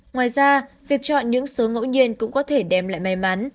ngoài ra việc chọn những số ngẫu nhiên cũng có thể đem lại may mắn